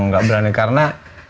gak berani karena